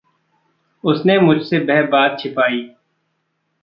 उसने मुझसे वह बात छिपाई।